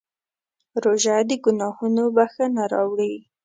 روژه د ګناهونو بښنه راوړي.